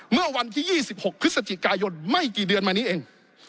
เมื่อวันที่๒๖พฤศจิกายนไม่กี่เดือนมานี้เอง